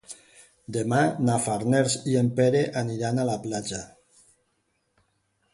Demà na Farners i en Pere aniran a la platja.